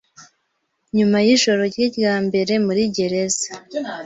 ” Nyuma yijoro rye rya mbere muri gereza